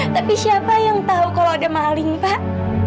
tapi siapa yang tahu kalau ada maling pak